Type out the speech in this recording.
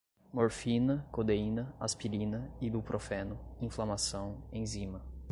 morfina, codeína, aspirina, ibuprofeno, inflamação, enzima